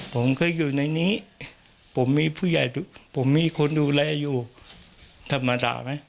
ผมเคยอยู่ในนี้ผมมีผู้ใหญ่ผมมีคนดูแลอยู่ธรรมดาไหม